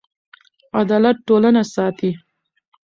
عدالت ټولنه ساتي.